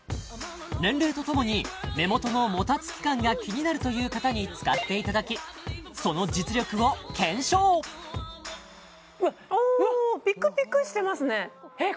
年齢と共に目元のもたつき感が気になるという方に使っていただきその実力を検証うわっピクピクしてますねえっ